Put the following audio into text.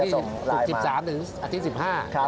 ใครจะส่งลายมาสู่๑๓๑๕